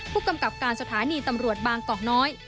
ผู้กำกับการสถานีตำรวจบางกอกน้อย